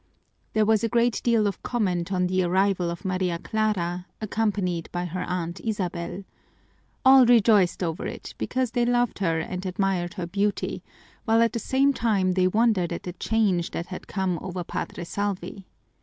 There was a great deal of comment on the arrival of Maria Clara, accompanied by her Aunt Isabel. All rejoiced over it because they loved her and admired her beauty, while at the same time they wondered at the change that had come over Padre Salvi.